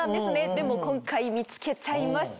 でも今回見つけちゃいました。